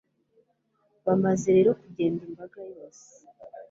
bamaze rero kugenya imbaga yose